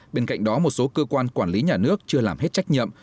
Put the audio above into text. bên cạnh đó một số cơ quan quản lý nhà nước chưa làm hết trách nhiệm